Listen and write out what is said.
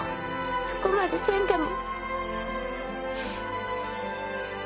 そこまでせんでも。